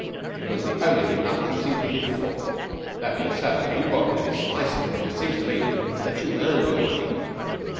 It was the only thing Nutcombe seemed to live for. That being so, if you got rid of his slice for him it seems to me, that you earned your money.